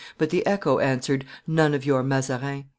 but echo answered, 'None of your Mazarin!